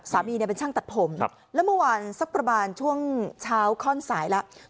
เนี่ยเป็นช่างตัดผมแล้วเมื่อวานสักประมาณช่วงเช้าค่อนสายแล้ว